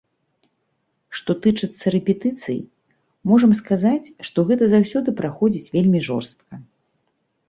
Што тычыцца рэпетыцый, можам сказаць, што гэта заўсёды праходзіць вельмі жорстка.